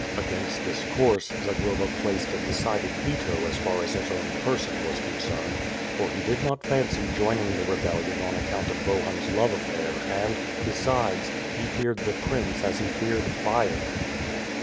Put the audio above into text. Against this course, Zagloba placed a decided veto as far as his own person was concerned. For he did not fancy joining the rebellion on account of Bohun's love affair and, besides, he feared the prince as he feared fire.